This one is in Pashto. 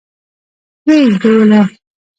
ويې ژدويله.